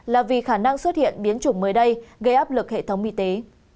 là vì khả năng xuất hiện biến chủng mới đây gây áp lực hệ thống y tế